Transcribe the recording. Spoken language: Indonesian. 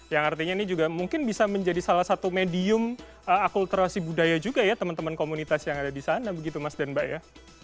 yang artinya ini juga mungkin bisa menjadi salah satu medium akultrasi budaya juga ya teman teman komunitas yang ada di sana begitu mas dan mbak ya